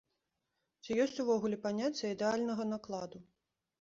Ці ёсць увогуле паняцце ідэальнага накладу?